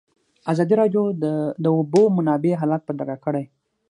ازادي راډیو د د اوبو منابع حالت په ډاګه کړی.